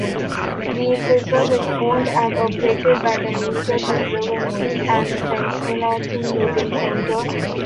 The Preserve is owned and operated by The Nature Conservancy and Cincinnati Museum Center.